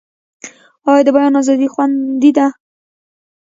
آیا د بیان ازادي خوندي ده؟